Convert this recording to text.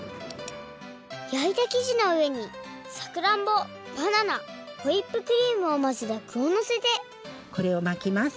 やいたきじのうえにさくらんぼバナナホイップクリームをまぜたぐをのせてこれをまきます。